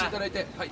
はい。